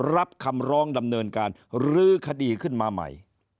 รับคำร้องดำเนินการลื้อคดีขึ้นมาใหม่